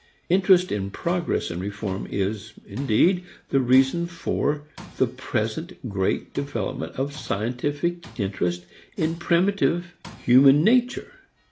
Interest in progress and reform is, indeed, the reason for the present great development of scientific interest in primitive human nature.